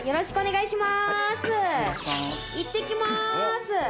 いってきまーす！